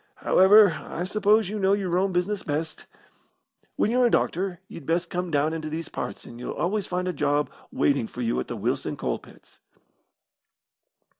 However, I suppose you know your own business best. When you're a doctor, you'd best come down into these parts, and you'll always find a job waiting for you at the Wilson Coal pits."